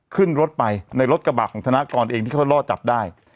ขึ้นรถไปในรถกระบะของธนากรเองที่เขาล่อจับได้